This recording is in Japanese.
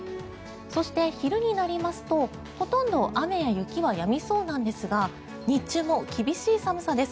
そして、昼になりますとほとんど雨や雪はやみそうなんですが日中も厳しい寒さです。